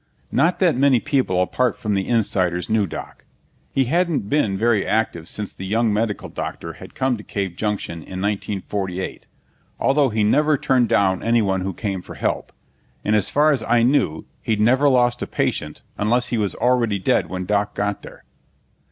Not that many people apart from the Insiders knew Doc. He hadn't been very active since the young medical doctor had come to Cave Junction in 1948, although he never turned down anyone who came for help, and as far as I knew he'd never lost a patient unless he was already dead when Doc got there.